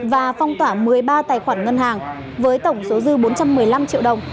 và phong tỏa một mươi ba tài khoản ngân hàng với tổng số dư bốn trăm một mươi năm triệu đồng